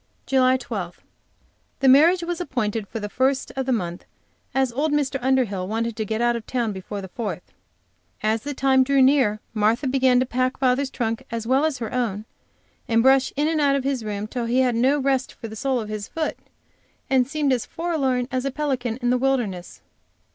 JULY 12. The marriage was appointed for the first of the month, as old Mr. Underhill wanted to get out of town before the Fourth. As the time drew near, Martha began to pack father's trunk as well as her own, and brush in and out of his room till he had no rest for the sole of his foot, and seemed as forlorn as a pelican in the wilderness.